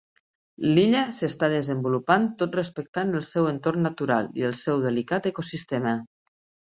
L'illa s'està desenvolupant tot respectant el seu entorn natural i el seu delicat ecosistema.